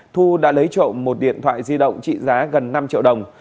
thu đã lấy trộm một điện thoại di động trị giá gần năm triệu đồng